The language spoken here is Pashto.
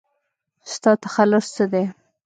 ستا تخلص څه دی ؟